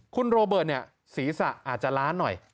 คุณโรเบิร์ตเนี่ยศีรษะอาจจะล้านหน่อย